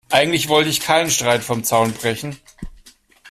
Eigentlich wollte ich keinen Streit vom Zaun brechen.